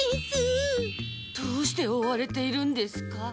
どうして追われているんですか？